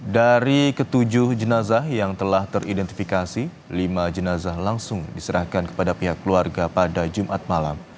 dari ketujuh jenazah yang telah teridentifikasi lima jenazah langsung diserahkan kepada pihak keluarga pada jumat malam